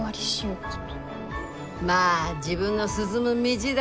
まあ自分の進む道だ。